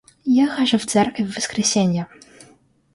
Я хожу в церковь в воскресенье.